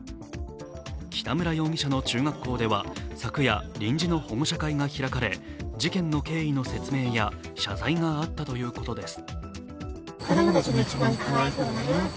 北村容疑者の中学校では昨夜、臨時の保護者会が開かれ事件の経緯の説明や、謝罪があったということです。